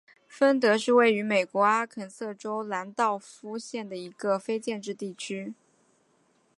芬德是位于美国阿肯色州兰道夫县的一个非建制地区。